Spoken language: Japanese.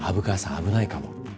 危ないかも。